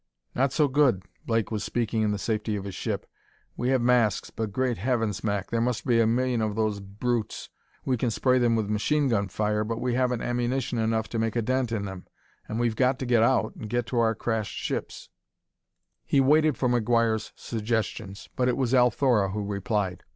"Not so good!" Blake was speaking in the safety of his ship. "We have masks, but great heavens, Mac! there must be a million of those brutes. We can spray them with machine gun fire, but we haven't ammunition enough to make a dent in them. And we've got to get out and get to our crashed ships." He waited for McGuire's suggestions, but it was Althora who replied.